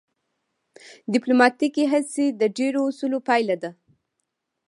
ډیپلوماتیکې هڅې د ډیرو اصولو پایله ده